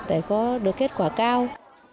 để có được kết quả cao